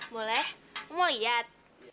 boleh aku mau lihat